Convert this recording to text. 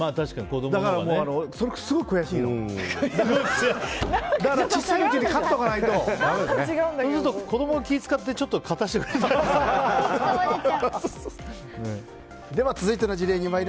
だから、それがすごく悔しいから小さいうちに勝っておかないとそうすると子供が気を使ってちょっと勝たせてくれたり。